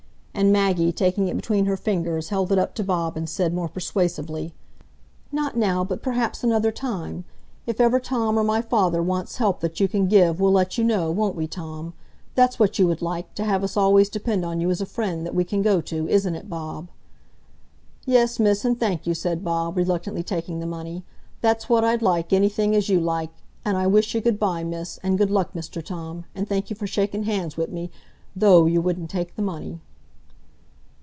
And Maggie, taking it between her fingers, held it up to Bob and said, more persuasively: "Not now, but perhaps another time. If ever Tom or my father wants help that you can give, we'll let you know; won't we, Tom? That's what you would like,—to have us always depend on you as a friend that we can go to,—isn't it, Bob?" "Yes, Miss, and thank you," said Bob, reluctantly taking the money; "that's what I'd like, anything as you like. An' I wish you good by, Miss, and good luck, Mr Tom, and thank you for shaking hands wi' me, though you wouldn't take the money."